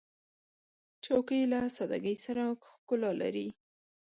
چوکۍ له سادګۍ سره ښکلا لري.